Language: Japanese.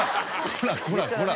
こらこらこら。